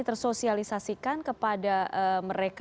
tersosialisasikan kepada mereka